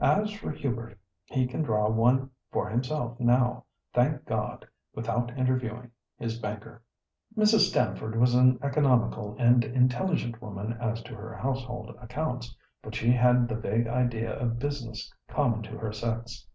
As for Hubert, he can draw one for himself now, thank God! without interviewing his banker." Mrs. Stamford was an economical and intelligent woman as to her household accounts, but she had the vague idea of "business" common to her sex.